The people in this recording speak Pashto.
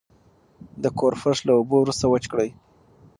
د کور فرش له اوبو وروسته وچ کړئ.